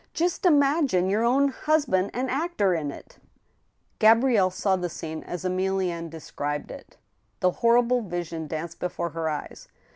Just imagine your own husband an actor in it !" Gabrielle saw the scene as Emilienne described it. The horrible vision danced before her eyes.